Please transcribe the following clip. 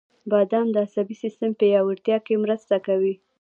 • بادام د عصبي سیستم پیاوړتیا کې مرسته کوي.